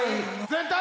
全体